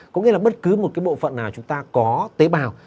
có nghĩa là bất cứ một cái bộ phận nào chúng ta có tế bào